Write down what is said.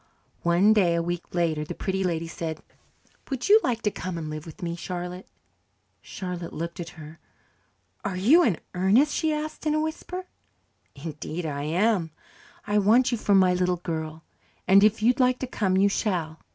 One day a week later the Pretty Lady said, "Would you like to come and live with me, Charlotte?" Charlotte looked at her. "Are you in earnest?" she asked in a whisper. "Indeed I am. I want you for my little girl, and if you'd like to come, you shall.